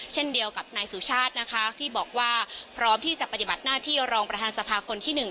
เช่นเดียวกับนายสุชาตินะคะที่บอกว่าพร้อมที่จะปฏิบัติหน้าที่รองประธานสภาคนที่๑